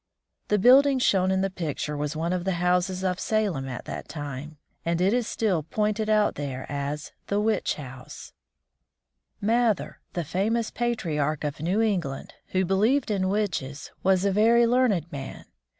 The building shown in the picture was one of the houses of Salem at that time; and it is still pointed out there as "the witch house." [Illustration: The Salem Witch House.] Mather, the famous "Patriarch of New England," who believed in witches, was a very learned man.